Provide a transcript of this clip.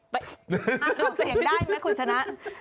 ห้ามตกเสียงได้ไหมคุณชนะ